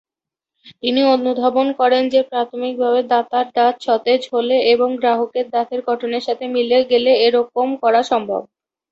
তিনি অনুধাবন করেন যে প্রাথমিকভাবে দাতার দাঁত সতেজ হলে এবং গ্রাহকের দাঁতের গঠনের সাথে মিলে গেলে এরকম করা সম্ভব।